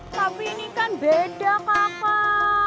tapi ini kan beda papa